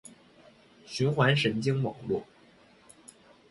循环神经网络